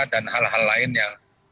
dan hal hal lain yang